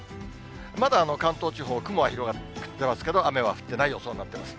まだ関東地方、雲は広がってますけど、雨は降ってない予想になってます。